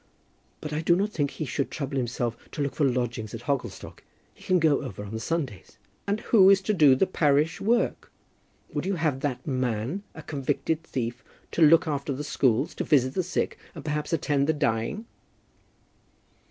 "But I do not think he should trouble himself to look for lodgings at Hogglestock. He can go over on the Sundays." "And who is to do the parish work? Would you have that man, a convicted thief, to look after the schools, and visit the sick, and perhaps attend the dying?"